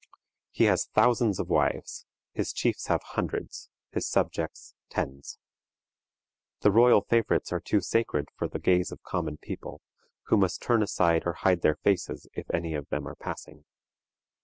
He has thousands of wives, his chiefs have hundreds, his subjects tens. The royal favorites are too sacred for the gaze of common people, who must turn aside or hide their faces if any of them are passing.